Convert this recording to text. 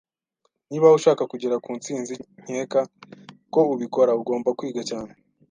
Niba ushaka kugera ku ntsinzi nkeka ko ubikora, ugomba kwiga cyane